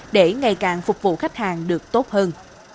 để ngày càng phục vụ khách hàng được tốt hơn